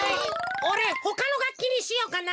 おれほかのがっきにしようかな。